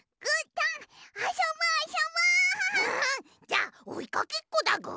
じゃあおいかけっこだぐ。